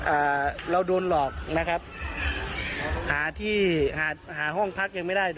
เอ่อเราโดนหลอกนะครับหาที่หาห่อห้องทัก